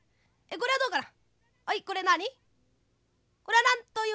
これはどうかな？」。